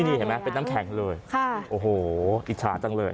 ใจบ้างมั๊ยเป็นน้ำแข็งเลยอิชาจังเลย